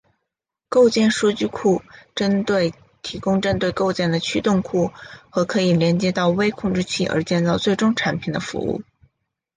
构件数据库提供针对构件的驱动库和可以连接到微控制器而建造最终产品的服务。